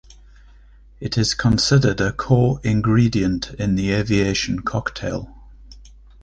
It is considered a core ingredient in the Aviation cocktail.